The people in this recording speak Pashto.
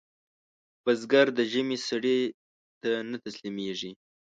بزګر د ژمي سړې ته نه تسلېږي